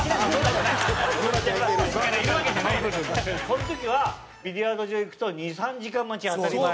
この時はビリヤード場行くと２３時間待ち当たり前。